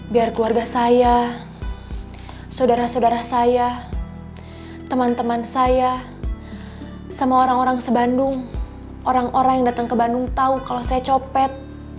biar keluarga saya saudara saudara saya teman teman saya sama orang orang sebandung orang orang yang datang ke bandung tahu kalau saya copet